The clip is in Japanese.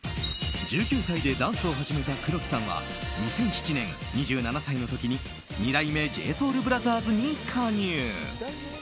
１９歳でダンスを始めた黒木さんは２００７年２７歳の時に二代目ＪＳｏｕｌＢｒｏｔｈｅｒｓに加入。